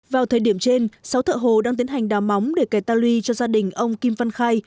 vào thời điểm trên sáu thợ hồ đang tiến hành đào móng để kè ta luy cho gia đình ông kim văn khai